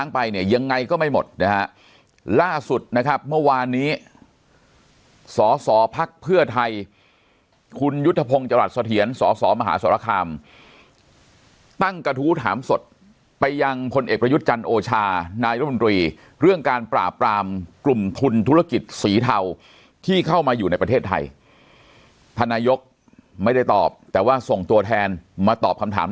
ผมทำรุกิจเยอะแยะเพราะฉะนั้นผมรู้จักคนนั้นคนนี้นะครับ